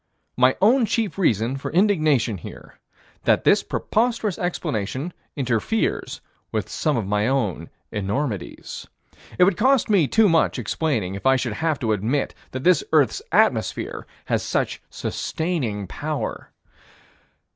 My own chief reason for indignation here: That this preposterous explanation interferes with some of my own enormities. It would cost me too much explaining, if I should have to admit that this earth's atmosphere has such sustaining power.